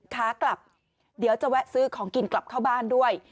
ขากลับเดี๋ยวจะแวะซื้อของกินกลับเข้าบ้านด้วย